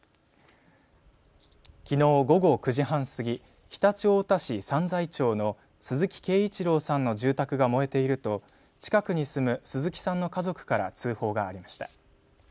きのう午後９時半過ぎ常陸太田市三才町の鈴木桂一郎さんの住宅が燃えていると近くに住む鈴木さんの家族から通報がありました。